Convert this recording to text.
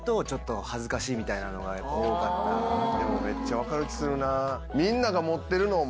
めっちゃ分かる気するなぁ。